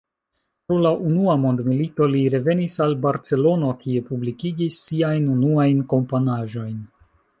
Pro la Unua Mondmilito, li revenis al Barcelono, kie publikigis siajn unuajn komponaĵojn.